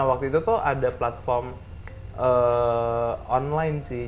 waktu itu tuh ada platform online sih